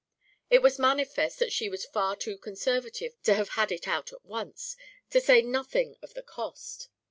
It was manifest that she was far too conservative to have had it out at once, to say nothing of the cost.